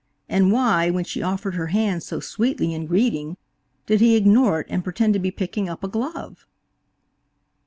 And why, when she offered her hand so sweetly in greeting did he ignore it and pretend to be picking up a glove?